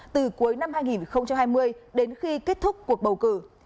từ cuối năm hai nghìn hai mươi đến khi kết thúc cuộc bầu cử